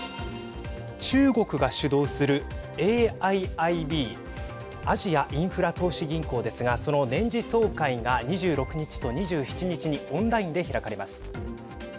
中国が主導するＡＩＩＢ＝アジアインフラ投資銀行ですがその年次総会が２６日と２７日にオンラインで開かれます。